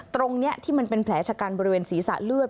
ตรงนี้ที่มันเป็นแผลชะกันบริเวณศีรษะเลือด